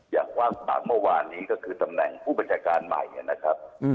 อย่างว่างฝากเมื่อวานนี้ก็คือตำแหน่งผู้บัญชาการใหม่นะครับ